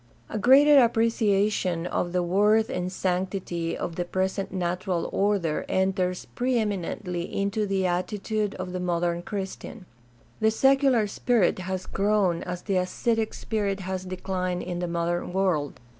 — A greater appreciation of the worth and sanctity of the present natural order enters pre eminently into the attitude of the modern Christian. The secular spirit has grown as the ascetic spirit has declined in the modern world.